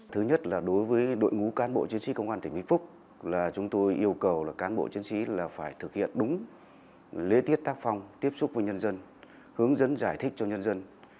thứ nhất là đối với đội ngũ cán bộ chiến sĩ công an tỉnh vĩnh phúc là chúng tôi yêu cầu là cán bộ chiến sĩ là phải thực hiện đúng lễ tiết tác phong tiếp xúc với nhân dân hướng dẫn giải thích cho nhân dân